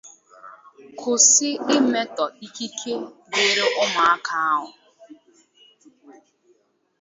kwụsị imetọ ikike dịịrị ụmụaka ahụ